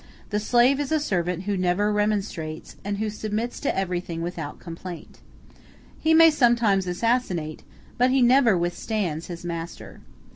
The slave is a servant who never remonstrates, and who submits to everything without complaint. He may sometimes assassinate, but he never withstands, his master.